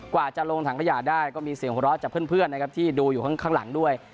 กว่าจะลงถังขยะได้ก็มีเสียงหัวเราะจากเพื่อนนะครับที่ดูอยู่ข้างหลังด้วย